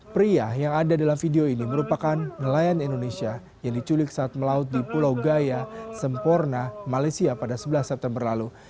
pria yang ada dalam video ini merupakan nelayan indonesia yang diculik saat melaut di pulau gaya sempurna malaysia pada sebelas september lalu